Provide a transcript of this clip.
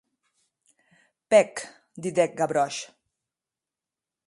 Pèc, didec Gavroche.